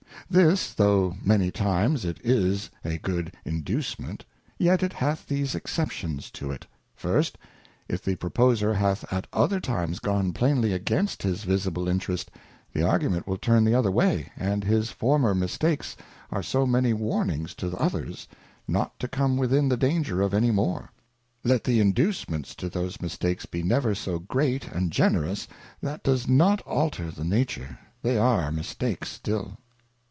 This, though many times it is a good Inducement, yet it hath these Exceptions to it. First, if the Proposer hath at other times gone plainly against his visible Interest, the Argument will turn the other way, and his former Mistakes are so many Warnings to others, not to come within the danger of any more : let the Inducements to those Mistakes be never so great and generous, that does not alter the Nature, they are Mistakes still.